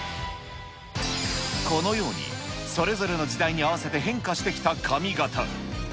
このように、それぞれの時代に合わせて変化してきた髪形。